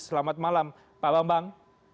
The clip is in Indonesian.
selamat malam pak bambang